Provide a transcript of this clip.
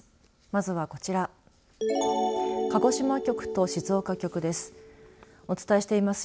まずはこちら鹿児島局と静岡局です。